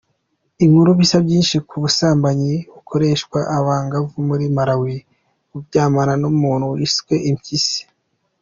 Inkuru bisa: Byinshi ku busambanyi bukoreshwa abangavu muri Malawi, baryamana n’umuntu wiswe impyisi.